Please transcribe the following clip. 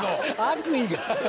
悪意が。